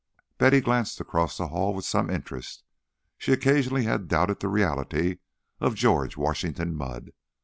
Betty glanced across the Hall with some interest: she occasionally had doubted the reality of George Washington Mudd.